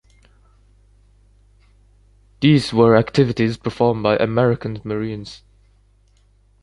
These were activities performed by American Marines.